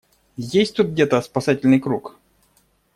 Есть тут где-то спасательный круг?